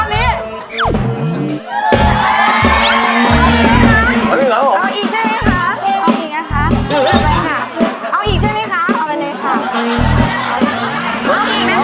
เด็กรอพี่แซคอยู่ตรงนี้แป๊บหนึ่งเลยครับ